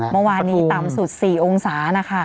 เมื่อวานนี้ต่ำสุด๔องศานะคะ